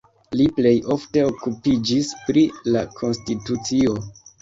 Li plej ofte okupiĝis pri la konstitucio.